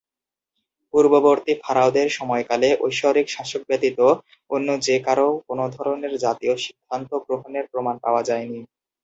পূর্ববর্তী ফারাওদের সময়কালে ঐশ্বরিক শাসক ব্যতীত অন্য যে-কারও কোনো ধরনের জাতীয় সিদ্ধান্ত গ্রহণের প্রমাণ পাওয়া যায়নি।